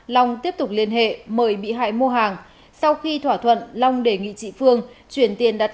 long tiếp tục liên hệ mời bị hại mua hàng sau khi thỏa thuận long đề nghị chị phương chuyển tiền đặt